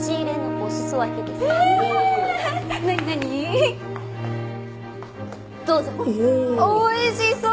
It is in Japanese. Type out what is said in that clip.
おいしそう！